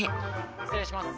失礼します。